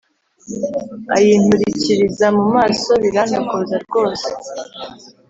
ayinturikiriza mu maso birantokoza rwose